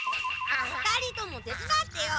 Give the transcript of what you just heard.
２人とも手伝ってよ。